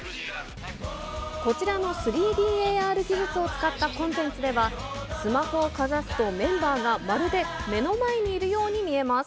こちらの３ＤＡＲ技術を使ったコンテンツでは、スマホをかざすと、メンバーがまるで目の前にいるように見えます。